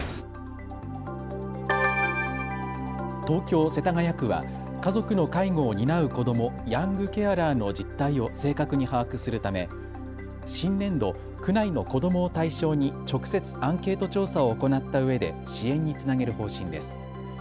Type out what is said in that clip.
東京世田谷区は家族の介護を担う子ども、ヤングケアラーの実態を正確に把握するため新年度、区内の子どもを対象に直接アンケート調査を行ったうえで支援につなげる方針です。